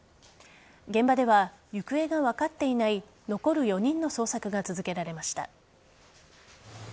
現場では行方が分かっていない残る４人の捜索が続けられました。